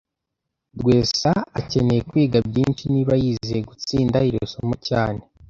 Rwesa akeneye kwiga byinshi niba yizeye gutsinda iri somo cyane